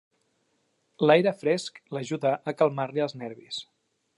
L'aire fresc l'ajudà a calmar-li els nervis.